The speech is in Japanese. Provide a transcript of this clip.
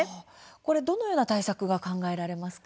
これ、どのような対策が考えられますか？